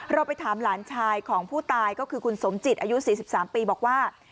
เราไปถามหลานชายของผู้ตายก็คือคุณสมจิตอายุ๔๓ปีบอกว่า